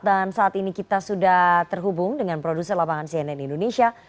dan saat ini kita sudah terhubung dengan produser lapangan cnn indonesia